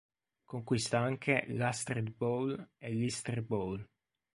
Conquista anche l'Astrid Bowl e l'Easter Bowl.